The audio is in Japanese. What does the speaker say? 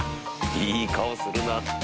いい顔するなぁ。